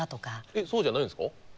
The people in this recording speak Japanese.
えっそうじゃないんですか？